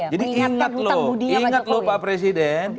jadi ingat lho pak presiden